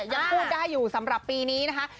ยังพูดได้อยู่สำหรับปีนี้นะคะ